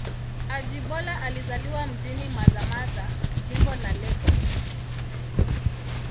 Ajibola alizaliwa mjini Mazamaza, Jimbo la Lagos.